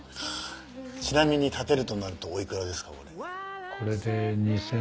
ちなみに建てるとなるとお幾らですか？